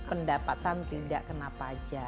pendapatan tidak kena pajak